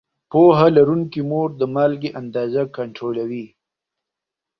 پوهه لرونکې مور د مالګې اندازه کنټرولوي.